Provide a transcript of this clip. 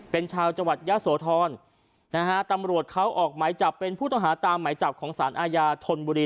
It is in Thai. เป็นชาวจังหวัดยะโสธรนะฮะตำรวจเขาออกหมายจับเป็นผู้ต้องหาตามหมายจับของสารอาญาธนบุรี